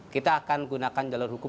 kita akan gunakan jalur hukum